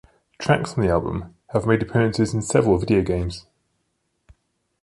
Tracks from the album have made appearances in several video games.